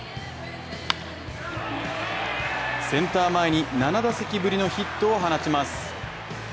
センター前に、７打席ぶりのヒットを放ちます。